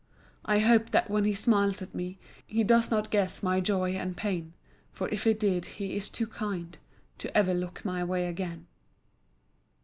I hope that when he smiles at me He does not guess my joy and pain, For if he did, he is too kind To ever look my way again.